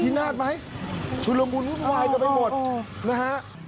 พีนาฏไหมชุลมุนวายกันไปหมดนะฮะ